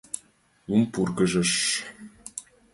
Лум пургыжыш!